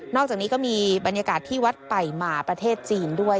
อกจากนี้ก็มีบรรยากาศที่วัดไผ่หมาประเทศจีนด้วย